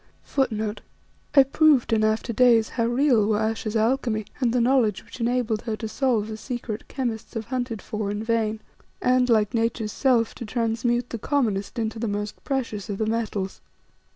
I proved in after days how real were Ayesha's alchemy, and the knowledge which enabled her to solve the secret that chemists have hunted for in vain, and, like Nature's self, to transmute the commonest into the most precious of the metals.